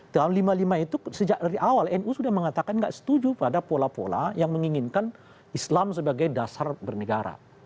tahun seribu sembilan ratus lima puluh lima itu sejak dari awal nu sudah mengatakan tidak setuju pada pola pola yang menginginkan islam sebagai dasar bernegara